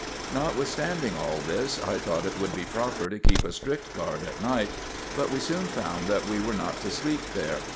Notwithstanding all this, I thought it would be proper to keep a strict guard at night ; but we soon found that we were not to sleep there.